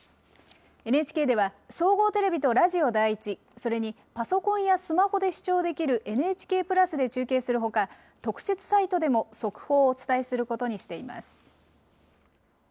ＮＨＫでは、総合テレビとラジオ第１、それにパソコンやスマホで視聴できる、ＮＨＫプラスで中継するほか、特設サイトでも速報をお伝えすることにしています。